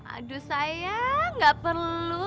aduh sayang gak perlu